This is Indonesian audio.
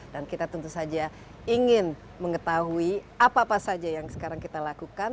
dan kita tentu saja ingin mengetahui apa apa saja yang sekarang kita lakukan